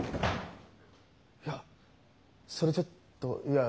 いやそれちょっといや